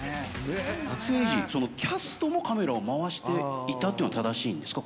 撮影時、キャストもカメラを回していたというのは正しいんですか？